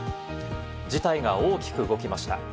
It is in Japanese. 事態が大きく動きました。